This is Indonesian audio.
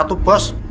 kenapa tuh bos